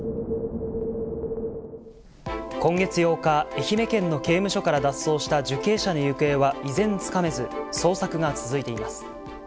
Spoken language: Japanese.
今月８日愛媛県の刑務所から脱走した受刑者の行方は依然つかめず捜索が続いています。